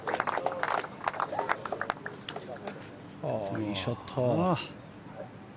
いいショット。